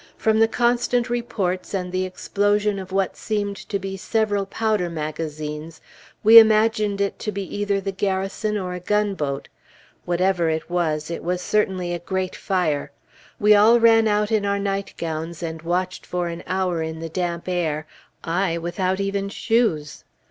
From the constant reports, and the explosion of what seemed to be several powder magazines, we imagined it to be either the Garrison or a gunboat. Whatever it was, it was certainly a great fire. We all ran out in our nightgowns, and watched for an hour in the damp air, I without even shoes.